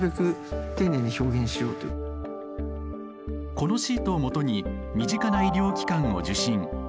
このシートをもとに身近な医療機関を受診。